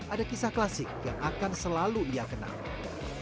ada kisah klasik yang akan selalu ia kenal